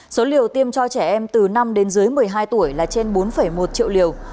số liều tiêm cho trẻ em từ năm đến dưới một mươi hai tuổi là trên bốn một triệu liều